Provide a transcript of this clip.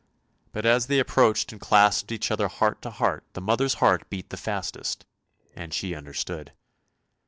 But as they approached and clasped each other heart to heart, the mother's heart beat the fastest, and she understood.